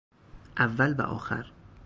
اول و آخر